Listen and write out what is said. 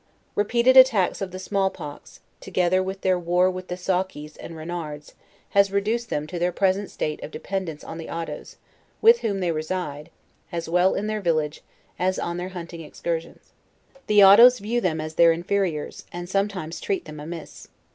Re peated attacks of the small pox, together with their war with the Saukees and Uenards, has reduced them to their present state of dependence on the Ottoes, with whom they reside, as well in their village, as on their hunting excursions. The ' Ottoes view them as their inferiors, and sometimes treat them amiss.